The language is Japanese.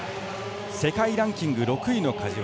世界ランキング６位の梶原。